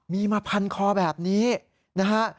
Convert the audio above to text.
มีมาพันคอแบบนี้นะฮะ